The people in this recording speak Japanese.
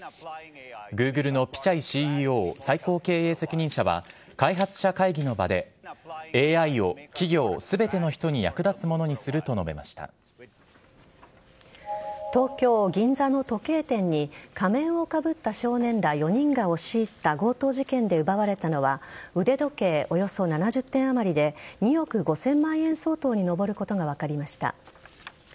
ＧｏｏｇｌｅのピチャイＣＥＯ＝最高経営責任者は開発者会議の場でＡＩを企業全ての人に役立つものにすると東京・銀座の時計店に仮面をかぶった少年ら４人が押し入った強盗事件で奪われたのは腕時計およそ７０点あまりで２億５０００万円相当に上ることが分かりました。